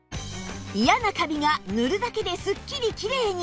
嫌なカビが塗るだけですっきりきれいに！